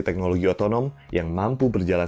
teknologi otonom yang mampu berjalan